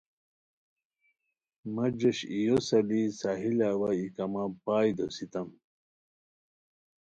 مہ جوش اییو سالی ساحلہ اوا ای کما پائے دوسیتام